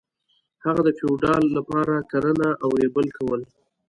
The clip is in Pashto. هغه د فیوډال لپاره کرنه او ریبل کول.